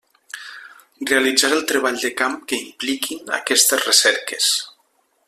Realitzar el treball de camp que impliquin aquestes recerques.